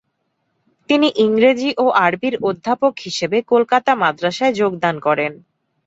তিনি ইংরেজি ও আরবির অধ্যাপক হিসেবে কলকাতা মাদ্রাসায় যোগদান করেন।